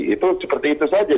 itu seperti itu saja